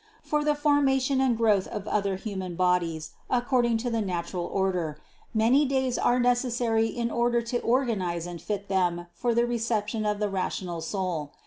For the formation and growth of other human bodies, according to the natural order, many days are necessary in order to organize and fit them for the reception of the rational soul.